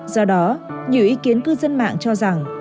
do đó nhiều ý kiến cư dân mạng cho rằng